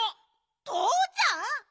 とうちゃん！？